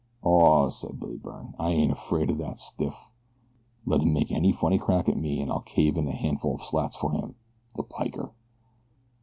"Aw," said Billy Byrne, "I ain't afraid o' that stiff. Let him make any funny crack at me an' I'll cave in a handful of slats for him the piker."